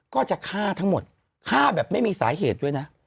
ก็จะฆ่าทั้งหมดฆ่าแบบไม่มีสาเหตุด้วยนะ